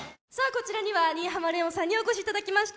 こちらには新浜レオンさんにお越し頂きました。